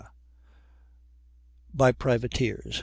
a. By Privateers.